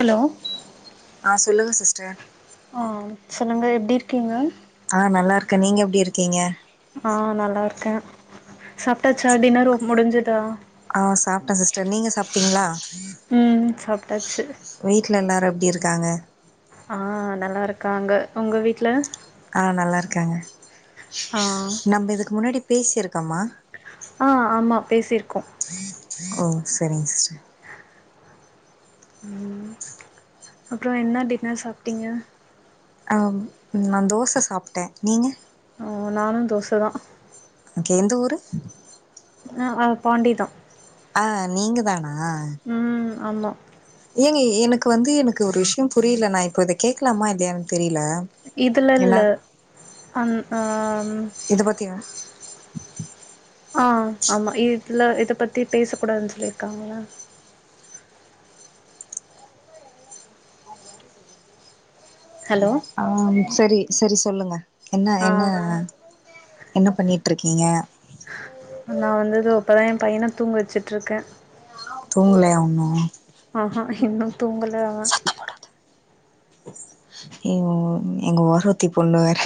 Hello ஆ சொல்லுங்க sister ஆ சொல்லுங்க எப்டி இருக்கீங்க ஆ நல்லா இருக்கே நீங்க எப்டி இருக்கீங்க ஆ நல்லா இருக்கே சாப்ட்டாச்சா டின்னர்ரு முடிஞ்சுதா ஆ சாப்ட்டே சிஸ்டர் நீங்க சாப்ட்டீங்களா ம் சாப்ட்டாச்சு வீட்டில எல்லாரு எப்டி இருக்காங்க ஆ நல்லா இருக்காங்க உங்க வீட்ல ஆ நல்லா இருக்காங்க ஆ நம்ம இதுக்கு முன்னாடி பேசிருக்கோமா ஆ ஆமா பேசிருக்கோ ஓ சரிங்க சிஸ்டர் ம் அப்புறோ என்ன டின்னர் சாப்ட்டீங்க ஆம் நா தோச சாப்ட்டே நீங்க நானு தோச தா ஓகே எந்த ஊரு எ ஆ பாண்டி தா ஆ நீங்க தானா ம் ஆமா ஏங்க எனக்கு வந்து எனக்கு ஒரு விஷயம் புரில நா இப்போ இத கேட்கலாமா இல்லையானு தெரில இதுல இல்ல அந் ஆ இத பத்தியா ஆ ஆமா இதுல இத பத்தி பேச கூடாதுன்னு சொல்லிருக்காங்களா ஹலோ ஆம் சரி சரி சொல்லுங்க என்ன என்ன ஆ என்ன பண்ணிட்டு இருக்கீங்க நா வந்து இதோ இப்பதா என் பையன தூங்க வச்சுட்டு இருக்கே தூங்கலயா இன்னு ஆ ஹா இன்னு தூங்கல அவன் எங் எங்க ஒரவத்தி பொண்ணு வேற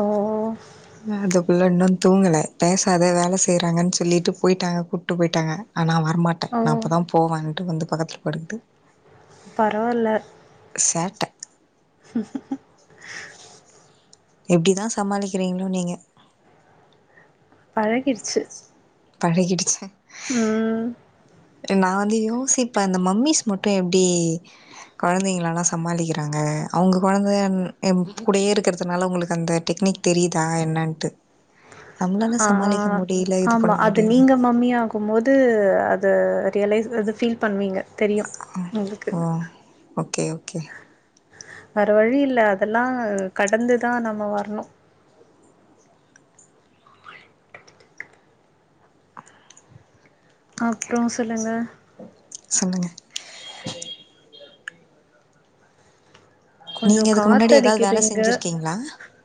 ஓ அ இந்த புள்ள இன்னு தூங்கல பேசாத வேல செய்றாங்கன்னு சொல்லிட்டு போயிட்டாங்க கூ ட்டு போயிட்டாங்க ஆ நா வரமாட்டே ஓ நா அப்பதா போவேன்ட்டு வந்து பக்கத்துல படுத்து பரவா இல்ல சேட்ட எப்டி தா சமாளிக்கிறீங்களோ நீங்க பழகிருச்சு பழகிடுச்சு ம் அ நா வந்து யோசிப்பே இந்த மம்மிஸ் மட்டு எப்டி கொழந்தைகளெல்லா சமாளிக்கிறாங்க அவங்க கொழந்த ம் இவ் கூடயே இருக்கிறதுனால அவங்களுக்கு அந்த டெக்னிக் தெரியுதா என்னன்ட்டு நம்மளால ஆ சமாளிக்க முடியல இது ஆமா பண்ண அது முடியல நீங்க மம்மி ஆகு ம் போது அது ரியலைஸ் அது ஃபீல் பண்ணுவீங்க தெரியு ம் உங்களுக்கு ஓ ஓகே ஓகே வேற வழி இல்ல அதெல்லா கடந்துதா நம்ம வரணு அப்றோ சொல்லுங்க சொல்லுங்க கொஞ்சோ நீங்க இதுக்கு முன்னாடி எதாவது காத்தடிக்குது வேல இங்க செஞ்சிருக்கீங்களா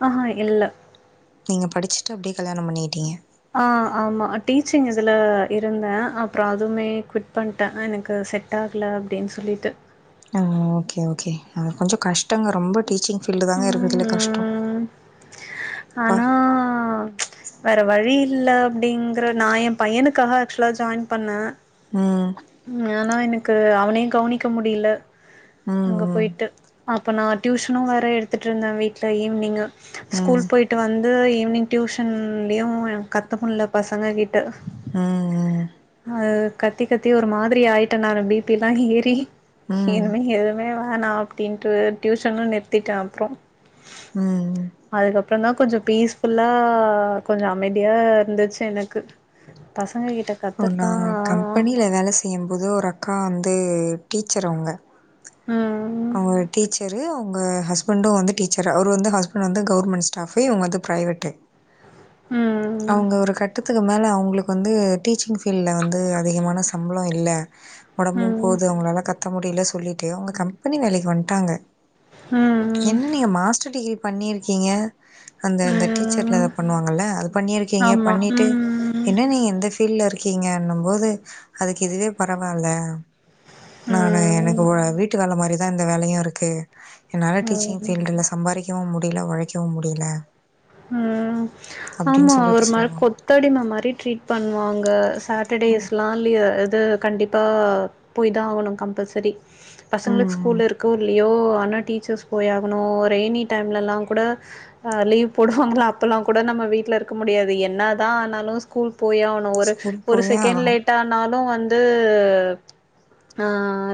ஆஹா இல்ல நீங்க படிச்சுட்டு அப்டியே கல்யாணம் பண்ணிக்கிட்டீங்க ஆ ஆமா அ டீச்சிங் இதுல இருந்தே அப்றோ அதுமே குவிட் பண்ட்டே ஆ எனக்கு செட் டாகல அப்டின் சொல்லிட்டு ஆ ஓகே ஓகே அது கொஞ்சோ கஷ் டங்க ரொம்ப டீச்சிங் ஃபீல்டுதாங்க இருக்கிறதுல கஷ்டோ ம் ப்பா ஆ ஆ வேற வழி இல்ல அப்டிங்கற நா யேன் பையனுக்காக ஆக்சுவலா ஜாயின் பண்ணே ம் ம் ஆனா எனக்கு அவனயு கவனிக்க முடியல ம், அங்க ம். போயிட்டு அப்ப நா டியூசனு வேற எடுத்துட்ருந்தே வீட்ல ஈவினிங்கு ஸ்கூல் ம், போய்ட்டு வந்து ஈவி்னிங் டியூஷன்லயு எனக்கு கத்த முட்ல பசங்க கிட்ட ம் ம் அது கத்தி கத்தி ஒரு மாதிரி ஆயிட்டே நானு பி பி எல்லா ஏறி ம். இனி மே எதுமே வேணா அப்டின்ட்டு டியூஷனு நிறுத்திட்டே அப்றோ ம் அதுக்கப்புறந்தா கொஞ்ச பீஸ்ஃபுல்லா கொஞ்ச அமைதியா இருந்துச்சு எனக்கு பசங்க கிட்ட ஒரு நா கத்துறதா கம்பெனில வேல செய்யும்போது ஒரு அக்கா வந்து டீச்சர் அவங்க ம் அவங்க டீச்சரு அவ ங்க ஹஸ்பண்டு வந்து டீச்சரு அவர் வந்து ஹஸ்பண்டு வந்து கவர்மெண்ட் ஸ்டாஃபு இவங்க வந்து ப்ரைவேட்டு ம் அவங்க ஒரு கட்டத்து க்கு மேல அவங்களுக்கு வந்து டீச்சிங் ஃபீல்டுல வந்து அதிகமான சம்பளோ இல்ல ஒடம்பு ம் போகுது அவங்களால கத்த முடியல சொல்லிட்டு அவங்க கம்பெனி வேலைக்கு வந்ட்டாங்க ம் என்ன நீங்க மாஸ்டர் டிகிரி பண்ணியிருக்கீங்க அந்த அந்த டீச்சர்ல ம் பண்ணுவாங்கல்ல அது பண்ணியிருக்கீங்க ஆமா பண்ணிட்டு ம் என்ன நீங்க இந்த ஃபீல்ட்ல இருக்கீங்கன்னும் போது அதுக்கு இதுவே பரவால்ல நானு ம் எனக்கு வொ வீட்டு வேல மாரிதா இந்த வேலையு இருக்கு என்னால ம் டீச்சிங் ம் ஃபீல்டுல சம்பாரிக்கவு முடியல ஒழைக்கவு முடியல ம் அப்படின்னு ஆமா ஒரு சொல்லிவிட்டு மாரி சொல்லுவாங்க கொத்தடிம மாரி ட்ரீட் பண்ணுவாங்க ஆமா. சாட்டர்டேஸ்லா லீ இது கண்டிப்பா போய்தா ஆவணு கம்பல்சரி பசங்களுக் ஸ் கூல் ம் இருக்கோ இல்லையோ ஆனா டீச்சர்ஸ் போயாகணு ரெய்னி டைம்லல்லாங் கூட ஆ லீவ் போடுவாங்கல்ல அப்பல்லாங் கூட நம்ம வீட்ல இருக்க முடியாது என்னதா ஆனாலு ஸ்கூல் போயே ஆவ ணு ஒரு ஸ்கூல் ஒரு போயே செகண்ட் ஆகணு லேட் ஆனாலு வந்து நா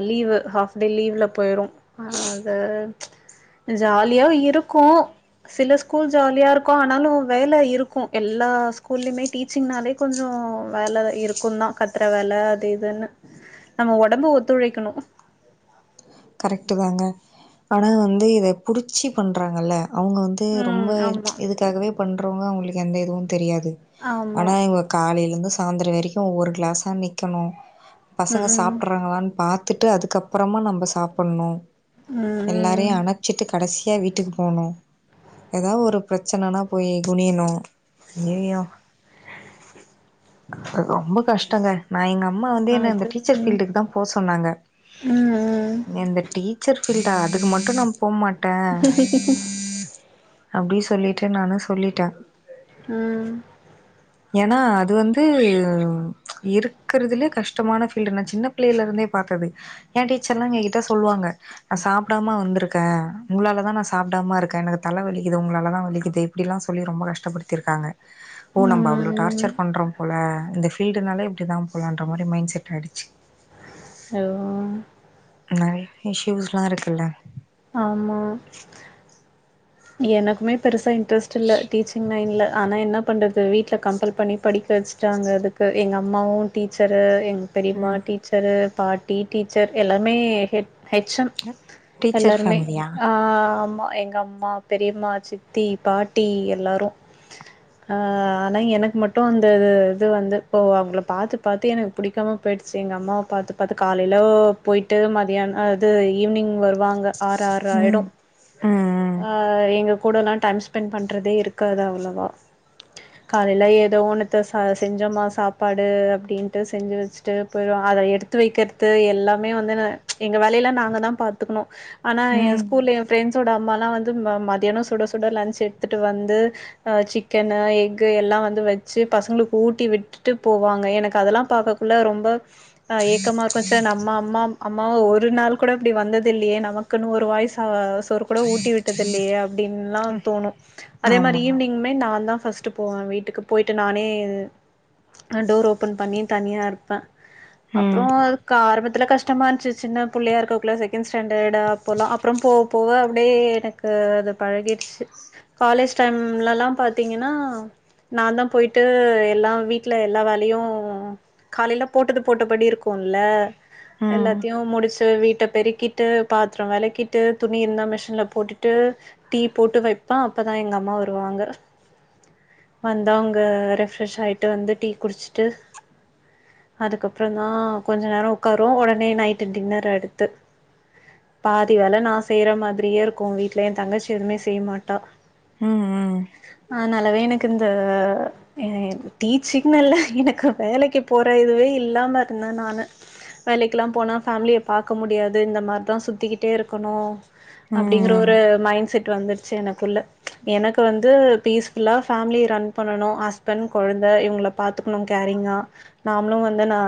லீவு ஹாஃப் டே லீவுல போயிறோ அ அத ஜாலியா இருக்கோ சில ஸ்கூல் ஜாலியா இருக்கோ ஆனாலு வேல இருக்கோ எல்லா ஸ்கூல்லயுமே டீச்சிங்னாலே கொஞ்சோ வேல இருக் சுன்னா கத்தற வேல அது இதுன்னு நம்ம ஒடம்பு ஒத்துழைக்கனோ கரெக்ட்டு தாங்க ஆனா வந்து இத புடிச்சி பண்றாங்கல்ல அவுங்க வந் ட்டு ரொம்ப ம் ஆமா இதுக்காகவே பண்றவங்க அவுங்களுக்கு எந்த இதுவு தெரியாது ஆமா ஆனா இவ காலையிலருந்து சாயந்தர வரைக்கு ஒவ்வொரு கிளாஸ்ஸா நிக்கணோ ம் பசங்க ம் சாப்றாங்களான்னு பாத் த்துட்டு அதுக்கப்பறமா நம்ப சாப்பன்னோ ம் எல்லாரையு ம் அனக் ச்சிட்டு கடைசியா வீட்டுக்கு போனோ ஏதா ஒரு பிரச்சனனா போய் குணியணோ அய்யய்யோ ரொம்ப கஷ்டங்க நா எங்க அம்மா வந்து என்ன இந்த அது டீச்சர் ஃபீல்டுக்கு தா போ சொன்னாங்க ம் ம் எந்த டீச்சர் ஃபீல்டா அதுக்கு மட்டு நா போ மாட்ட அப்டி சொல்லிட்டு நானோ சொல்லிட்ட ம் ஏனா அது வந்து இருக்கறதுலே கஷ்டமான ஃபீல்டு நா சின்ன பிள்ளைல இருந்தே பாத்தது எ டீச்சர்ல்லா எங்க ட்ட சொல்வாங்க நா சாப்டாம வந்திருக்க உங்களால தா நா சாப்டாம இருக்க எனக்கு தல வலிக்குது உங்களாலதா வலிக்குது அப்டில்லா சொல்லி ரொம்ப கஷ்டப்படுத்திருக்காங்க ஓ நம்ப அவ்ளோ ம் டார்ச்சர் பண்றோ போல இந்த ஃபீல்டுனாலே இப்டி தா போலன்ற மாரி மைண்ட் செட் ஆயிடுச்சு ஹலோ நறைய இஷ்யூஸ்லா இருக்குல்ல ஆமா எனக்குமே பெருசா இன்ட்ரெஸ்ட் இல்ல டீச்சிங் லைன்ல ஆனா என்ன பண்றது வீட்ல கம்பல் பண்ணி படிக்க வச்சுட்டாங்க அதுக்கு எங்க அம்மாவு டீச்சரு எங்க பெரிம்மா ம் டீ ச்சரு பாட்டி டீச்சர் எல்லாமே ஹெ ஹெச் எம் டீச்சர் எல்லாருமே ஃபேமிலியா அ ஆமா எங்க அம்மா பெரியம்மா சித்தி பாட்டி எல்லாறோ அ ஆனா எனக்கு மட்டோ அந்த இது வந்து இப்போ அவுங்கள பாத்து பாத்து எனக் புடிக்காம போயிடுச்சு எங்க அம்மாவ பாத்து பாத்து காலையில போயிட்டு மதியானோ அது ஈவினிங் வருவாங்க ம் ம் ம் அ எங்க கூடல்லா டைம் ஸ்பெண்ட் பண்றதே இருக்காது அவ்ளவா காலையில ஏதோ ஒன்னுத்த ச செஞ்சோமா சாப்பாடு அப்டின்ட்டு செஞ்சு வச்சுட்டு போயிடுவாங்க அத எடுத்து வைக்கர்த்து எல்லாமே வந்து ந எங்க வேலையிலா நாங்கதா பாத்துக்கனோ ஆனா எ ம் ஸ்கூல்ல எ ஃப்ரெண்ட்ஸோட அம்மாலா வந்து ம மதியானோ சுட சுட லஞ்ச் எடுத்துட்டு வந்து அ சிக்கன்னு எஃகு எல்லா வந்து வெச்சு பசங்களுக்கு ஊட்டி விட்டுட்டு போவாங்க எனக்கு அதெல்லா பாக்க குள்ள ரொம்ப அ ஏக்கமா இருக்கோ ச்ச நம்ம அம்மா அம்மாவா ஒரு நாள் கூட இப்டி வந்தது இல்லியே நமக்குன்னு ஒரு வாய் ச சோறு ட்டருது இல்லியே அப்டின்ல்லா ம் தோனோ அதே மாரி ஆமா ஈவ் னிங்மே நா தா ஃபர்ஸ்ட்டு போவ வீட்டுக்கு போயிட்டு நானே நா டோர் ஓப்பன் பண்ணி தனியா இருப்பே அப்றோ ம் ம் கா ஆரம்பத்துல கஷ்டமா இருந்துச்சி சின்னப் புள்ளையா இருக்கக்குள்ள செகண்ட் ஸ்டாண்டர்ட் அப்போலா அப்றோ போவ போவ அப்டே எனக்கு அது பழகிடுச்சு காலேஜ் டைம்லலா பாத்தீங்கன்னா நா தா போயிட்டு எல்லா வீட்ல எல்லா வேலையு காலேல போட்டது போட்டபடி இருக்குல்ல ம் எல்லாத்தயுமுடிச்சு வீட்ட பெருக்கிட்டு பாத்திரோ வெளக்கிட்டு துணி இருந்தா மிஷின்ல போட்டுட்டு ட்டு டீ போட்டு வெப்பே அப்பதா எங்க அம்மா வருவாங்க வந்து அவுங்க ரெஃப்ரெஷ் ஆயிட்டு வந்து டீ குடிச்ட்டு அதுக்கப்பறந்தா கொஞ்ச நேரோ ஒக்கார்வோ ஒடனே நைட்டு டின்னரு அடுத்து பாதி வேல நா செய்ற மாதிரியே இருக்கு வீட்ல ஏ தங்கச்சி எதுமே செய்யமாட்டா ம் ம் ஆனாலவே எனக்கிந்த எ எனக் டீச்சிங்ன்னு இல்ல எனக்கு வேலைக்கு போற இதுவே இல்லாம இருந்தே நானு வேலைக்குலா போனா ஃபேமிலிய பாக்கமுடியாது இந்த மாரிதா சுத்திக்கிட்டே இருக்கனு அப்டிங்ற ம் ஒரு மைண்ட் செட் வந்துருச்சு எனக்குள்ள எனக்கு வந்து பீஸ்ஃபுல்லா ஃபேமிலிய ரன் பண்ணனு ஹஸ்பண்ட் கொழந்த இவுங்கள பாத்துக்குனு கேரிங்கா நாமளு வந்து நா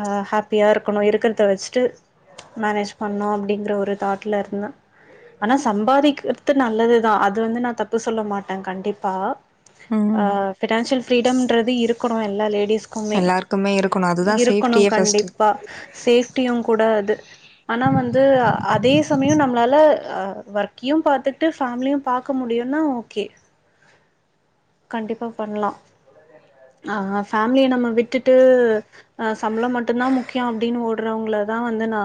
ஹ ஹேப்பியா இருக்கனு இருக்றத வச்சுட்டு மேனேஜ் பண்ணு அப்டிங்ற ஒரு தாட்ல இருந்தே ஆனா சம்பாதிக்கிறது நல்லதுதா அது வந்து நா தப்பு சொல்ல மாட்டே கண்டிப்பா ஆ ம் ஃபினான்சியல் ஃபீரிடம்ன்றது இருக்குனு எல்லா லேடிஸ்க் குமே எல்லாருக்குமே இருக்கணு அதுதா இருக்கனு சேஃப்டியே ஃபஸ்ட்டு கண்டிப்பா சேஃப்டியு கூட அது ஆனா வந்து அதே சமயோ நம்ளால ஆ அ ஒர்க்கையு பாத்துட்டு ஃபேமிலியு பாக்க முடியுனா ஓகே கண்டிப்பா பண்லா ஆ ஃபேமிலிய நம்ம விட்டுட்டு அ சம்பளோ மட்டுந்தா முக்கியோ அப்டின்னு ஓடுறவுங்கள தா வந்து நா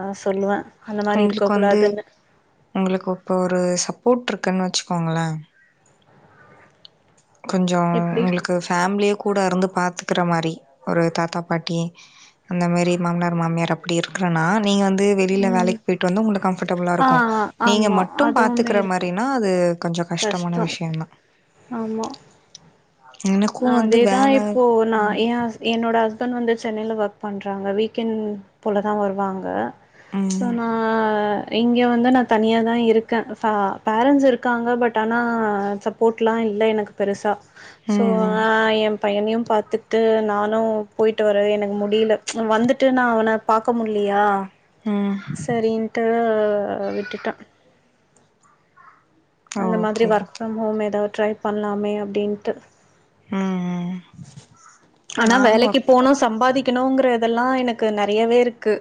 அ சொல்லுவே அந்த மாரி இருக்க ஒங்களுக்கு வந்து கூடாதுன்னு ஒங்களுக்கு இப்ப ஒரு சப்போர்ட் இருக்குன்னு வச்சுக்கோங்களே கொஞ்சோ எப்டி ஒங்களுக்கு ஃபேமிலியே கூட இருந்து பாத்துக்கிற மாரி ஒரு தாத்தா பாட்டி அந்த மாரி மாமனார் மாமியார் அப்டி இருக்கறனா நீ வந்து வெளில ம் வேலைக் போயிட்டு வந்து ஒங்களுக்கு கம்ஃபட் டபுளா ஆ இருக்கு நீங்க ஆமா மட்டு அதுவுமே பாத்துக்ற இருக்கு மாரினா அது கொஞ்சோ கஷ்டமான கஷ்டோ விஷயந் தா ஆமா எனக்கு வந்து அதேதா வேல இப்போ நா ம் ஏ ஹஸ் என்னோட ஹஸ்பண்ட் வந்து சென்னைல ஒர்க் பண்றாங்க வீக்கெண்ட் போல தா வருவாங்க சோ ம் நா இங்க வந்து நா தனியா தா இருக்கே ஃபா பேரன்ஸ் இருக்காங்க பட் ஆனா சப் போட்டலா இல்ல எனக்கு பெருசா ஸோ ம் ம் நா ஏ பையனையு பாத்து ட்டு நானு போயிட்டு வர எனக்கு முடில வந்துட்டு நா அவன பாக்க முல்லியா ம் செரின்னுட்டு விட்டுட்டே ஓகே அந்த மாதிரி ஓகே ஒர்க் ஃபிரம் ஹோம் எதா ட்ரை பண்லாமே அப்டின்ட்டு ம் ம் ஆனா நானு வேலைக்கு ஒர்க் போனு சம்பாதி க்குணுங்கறதெல்லா எனக்கு நெறையாவே இருக்கு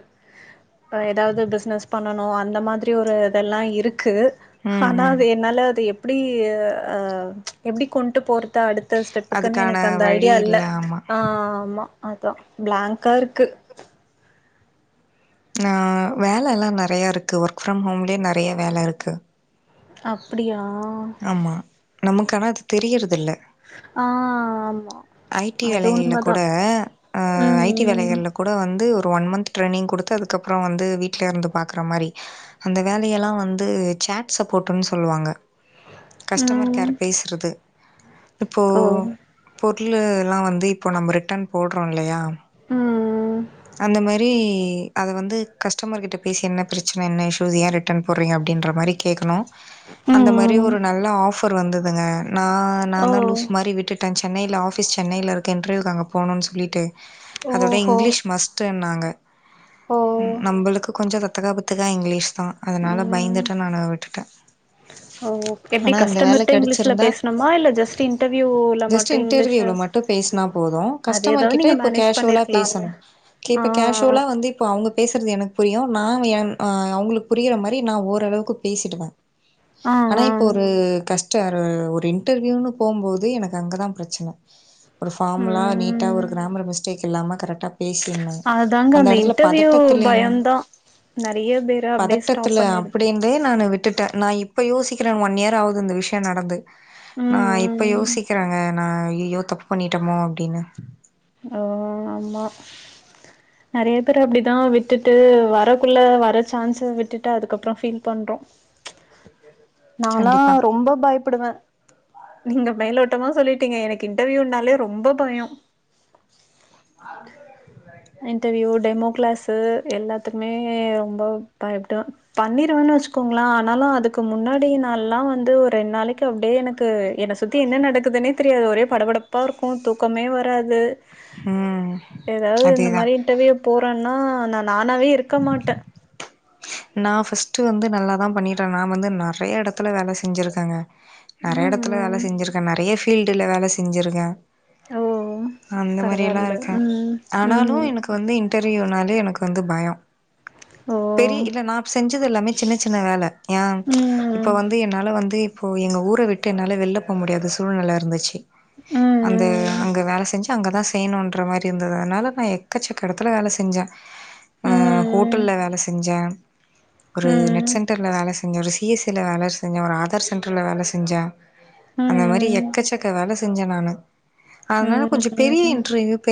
இப்ப எதாது பிஸ்னஸ் பண்ணணு அந்த மாதிரி ஒரு இதெல்லா இருக்கு ம் ஆனா ம் அத என்னால அது எப்டி அ எப்டி கொண்டு போறது அடுத்த ஸ்டெப்புக்குன்னு அதுக்கான எனக்கு அந்த வழி ஐடியா இல்ல ஆமா ஆ ஆமா அதா பிளாங்கா இருக்கு ஆ வேலல்லா நெறையா இருக்கு ஒர்க் ஃப்ரம் ஹோம்லே நெறையா வேல இருக்கு அப்டியா ஆமா, நமக்கு ஆனா அது தெரியறதில்ல ஆ ஆமா ஐ டி அது வேலைகள்ல உண்மதா கூட அ ஐ டி ம் வேலைகள்ல கூட வந்து ஒரு ஒன் மந்த் ட்ரெயினிங் குடுத்து அதுக்கப்புறோ வந்து வீட்லே இருந்து பாக்குறே மாரி அந்த வேலை எல்லா வந்து சேட் சப்போட்டுன்னு சொல்லுவாங்க கஸ்டமர் ம் கேர் ம் பேசுறது, இப்போ ஓ பொருளுலா வந்து இப்போ நம்ப ரிட்டன் போடுறோ இல்லையா ம் அந்த மாரி அத வந்து கஸ்டமர் கிட்ட பேசி என்ன பிரச்சன என்ன இஷ்யூஸ் ஏ ரிட் ட்டன் போட்றீங்க அப்டின்ற மாரி கேக்கணு அந்த மாரி ம் ஒரு நல்ல ஆஃபர் வந்ததுங்க நா ஓ நான்தா லூசு மாரி விட்டு ட்ட சென்னைல ஆஃபிஸ் சென்னைல இருக்கு இன்டர்வியுக்கு அங்க போனுனு சொல்லிட்டு அதோடே ஓஹோ இங்கிலீஷ் மஸ்ட்டுன்னாங்க, ஓ ம், நம்பளுக்கு கொஞ்சோ தத்தக்கா புத்தக்கா இங்கிலீஷ்தா அதனால ம் பயந்துட்டு நானு விட்டுட்டே ஓ எப்டி கஷ்டமர்ட்ட இங்கிலீஷ்ல பேசணுமா இல்ல ஜெஸ்ட் இன்டர்வியூல ஜஸ்ட் மட்டு இங்கிலீஷ் இன்டர்வியூல மட்டும் பேசுனா போது அது எதோ கஸ்டமர் நீங்க மேனேஜ் பண்ணிருக்கலாம்ல்ல கே இப்ப கேஷ்வலா வ ந்து இப்போ அவங்க பேசுறது எனக்கு புரியு நா எ ஆ அவங்களுக்கு புரியிற மாரி நா ஓரளவுக்கு பேசிடுவே ஆ ஆனா ஆ இப்பே ஒரு கஷ் ட்டரு ஒரு இன்டர்வியூன்னு போம்போது எனக்கு அங்கதா பிரச்சன ஒரு ஃபார்மலா நீட்டா ஒரு ம் கிராமர் மிஸ்டேக் இல்லாம கரெக்டா பேசிர்ணு அதாங்க அந்த எடத்துல இன்டர்வியூ பதட்டத்திலயு பயந்தா நறைய பேர அப்டியே ஸ்டாப் இல்ல பண்ணிடுது அப்டி இருந்தே நானு விட்டுட்ட நா இப்ப யோசிக்கிறே ஒன் இயர் ஆவுது அந்த விஷயோ நடந்து நா ம் இப்போ ம் யோசிக்கிறாங்கே நா ஐய்யய்யோ தப்பு பண்ணிட்டமோ அப்டின்னு ஓ ஆமா நறைய பேர் அப்டிதா விட்டுட்டு வரக்குள்ள வர சான்ஸ விட்டுட்டு அதுக்கப்புறோ ஃபீல் பண்றோ நான்லா கண்டிப்பா ரொம்ப பயப் புடுவே நீங்க மேலோட்டமா சொல்லிட்டீங்க எனக்கு இன்டர்வியூனாலே ரொம்ப பயோ இன்டர்வியூ டேமோ கிளஸ் து எல்லாத்துக்குமே ரொம்ப பயப்டுவே பண்ணிருவேன்னு வச்சுக்கோங்கள ஆனாலு அதுக்கு முன்னாடி நாள்லா எல்லா வந்து ஒரு ரெண்டு நாளைக்கு அப்டியே எனக் கு என்ன சுத்தி என்ன நடக்குதுனே தெரியாது ஒரே படபடப்பா இருக்கு தூக்கமே வராது ம், ஏதாவது இந்த அதேதா மாரி இன்டர்வியூ போறன்னா நா நானாவே இருக்க மாட்ட ‌ நா ஃபர்ஸ்ட் வந்து நல்லாதா பண்ணிட்ட நா வந்து நறையா எடத்துல வேல செஞ்சிருக்கேங்க நெறைய எடத்துல வேல ம் ம் செஞ்சிருக்கே நெறைய ஃபீல்டு வேல செஞ்சிருக்கே ஓ அந்த மாரி எல்லா பரவால்ல இருக்க, ம் ஆனாலு ம் எனக்கு வந்து இன் டர்வியூனாலே எனக்கு வந்து பயோ ஓ பெரிய இல்ல நா செஞ்சது எல்லாமே சின்ன சின்ன வேல ஏ இப்ப ம் வந்து என்னால வந்து இப்போ எங்க ஊர விட்டு என்னால வெளில போ முடியாத சூழ்நெல இருந்துச்சு ம் அந்த அங்க வேல செஞ்சா அங்கதா செய்யனுன்ற மாரி இருந்தது அதனால நா எக்கச்சக்க எடத்துல வேல செஞ்ச ம் ஆ ம் ஹோட்டல்ல வேல செஞ்ச ஒரு நெட் ம் சென்டர்ல வேல செஞ் இங்க ஒரு சி எஸ் ஐல வேல செஞ்ச ஒங ஆதார் சென்டர்ல வேல செஞ்ச அந்த மாரி ம் எக்கச்சக்க வேல செ செஞ்ச நானு அதனால ம் கொஞ்சோ பெரிய ம் இன்டிர்வியூ